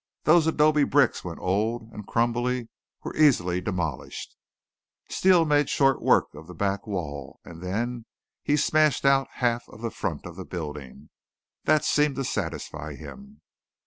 Those adobe bricks when old and crumbly were easily demolished. Steele made short work of the back wall, and then he smashed out half of the front of the building. That seemed to satisfy him.